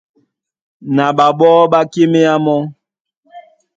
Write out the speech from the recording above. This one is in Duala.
Na ɓaɓɔ́ ɓá kíméá mɔ́.